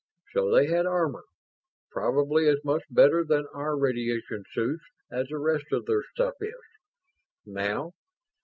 "So they had armor. Probably as much better than our radiation suits as the rest of their stuff is. Now.